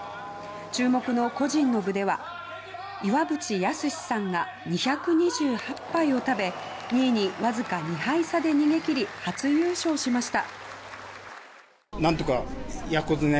注目の個人の部では岩渕恭史さんが２２８杯を食べ２位に、わずか２杯差で逃げ切り初優勝しました。